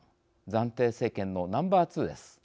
暫定政権のナンバー２です。